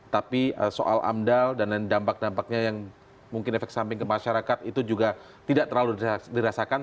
tapi soal amdal dan lain dampak dampaknya yang mungkin efek samping ke masyarakat itu juga tidak terlalu dirasakan